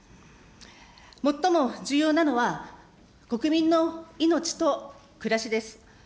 最も重要なのは、国民の命と暮らしです。